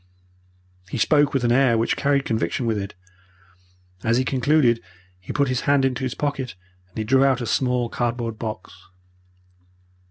"He spoke with an air which carried conviction with it. As he concluded he put his hand into his pocket and he drew out a small cardboard box.